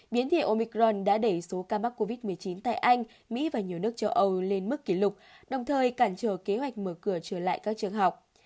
biến thị omicron đã đẩy số ca mắc covid một mươi chín tại anh mỹ và nhiều nước châu âu lên mức kỷ lục đồng thời cản trở kế hoạch mở cửa trở lại các trường học